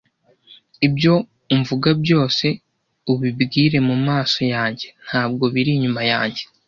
Ibyo umvuga byose, ubibwire mumaso yanjye, ntabwo biri inyuma yanjye.